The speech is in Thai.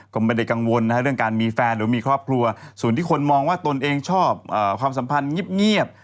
ก็ไม่ได้กังวลนะฮะเรื่องการมีแฟนหรือมีครอบครัวส่วนที่คนมองว่าตนเองชอบความสัมพันธ์เงียบ